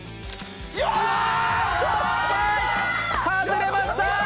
外れました！